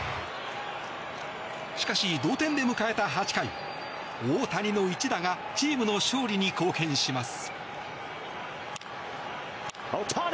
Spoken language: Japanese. しかし、同点で迎えた８回大谷の一打がチームの勝利に貢献します。